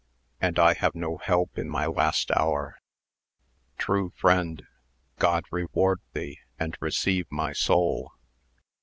and I have no help in my last hour. True friend, God rewanl thee, and receive my soul.